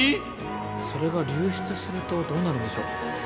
それが流出するとどうなるんでしょう？